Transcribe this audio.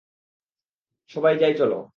সবাই যাই চলো!